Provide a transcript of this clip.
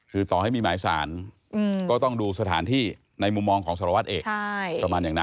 คือต่อให้มีหมายสารก็ต้องดูสถานที่ในมุมมองของสารวัตรเอกประมาณอย่างนั้น